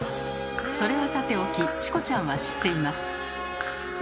それはさておきチコちゃんは知っています。